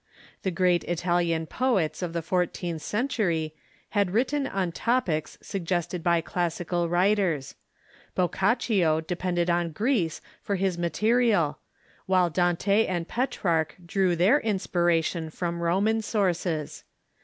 The great Italian poets of the fourteenth century had written on topics suggested by classical writers. Boccaccio depended on Greece for his mate rial, Avhile Dante and Petrarch drew their inspiration from Ro man sources.